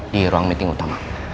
di ruang meeting utama